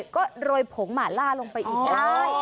ก็โรยผงหมาล่าลงไปอีกได้